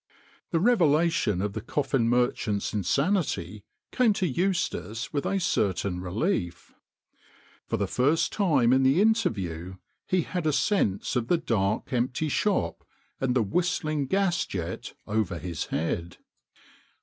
The revelation of the coffin merchant's in 13 178 THE COFFIN MERCHANT sanity came to Eustace with a certain relief. For the first time in the interview he had a sense of the dark empty shop and the whistling gas jet over his head.